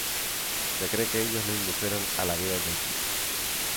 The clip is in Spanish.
Se cree que ellos lo indujeron a la vida del crimen.